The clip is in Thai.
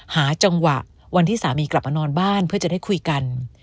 หาจังหวะวันที่สามีกลับมานอนบ้านเพื่อจะได้คุยกัน